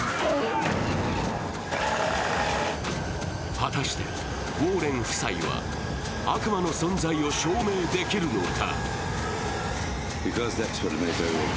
果たしてウォーレン夫妻は悪魔の存在を証明できるのか。